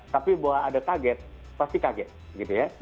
tapi bahwa ada kaget pasti kaget gitu ya